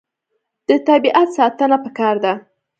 د طبیعت ساتنه پکار ده.